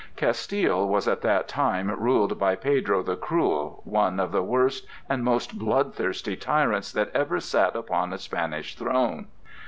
Castile was at that time ruled by Pedro the Cruel, one of the worst and most bloodthirsty tyrants that ever sat upon a Spanish throne.